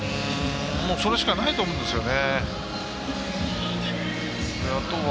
もうそれしかないと思うんですよね。